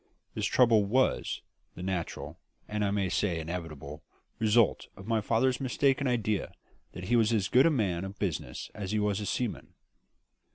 This trouble was the natural and I may say inevitable result of my father's mistaken idea that he was as good a man of business as he was a seaman.